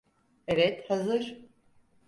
Evet, hazır.